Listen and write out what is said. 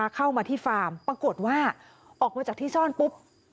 เข้ามาที่ฟาร์มปรากฏว่าออกมาจากที่ซ่อนปุ๊บ